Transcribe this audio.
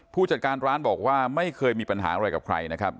ผู้จัดการร้านบอกว่าไม่เคยมีปัญหาอะไรกับใครนะครับ